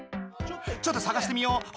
⁉ちょっとさがしてみよう。